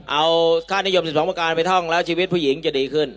เอาค่านิยม๑๒ประการไปท่องแล้วชีวิตผู้หญิงจะดีขึ้น